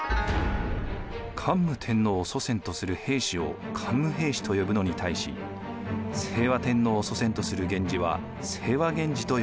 桓武天皇を祖先とする平氏を桓武平氏と呼ぶのに対し清和天皇を祖先とする源氏は清和源氏と呼ばれます。